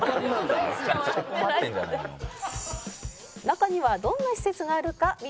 「中にはどんな施設があるか見てみると」